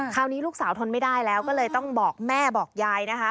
คราวนี้ลูกสาวทนไม่ได้แล้วก็เลยต้องบอกแม่บอกยายนะคะ